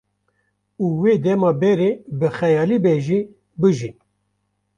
û wê dema berê bi xeyalî be jî bijîn